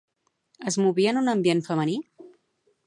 Es movia en un ambient femení?